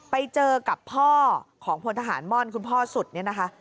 ไปเจอกับพ่อของพลทหารม่อนคุณพ่อสุดเนี่ยนะคะ